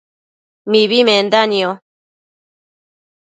mibi menda nio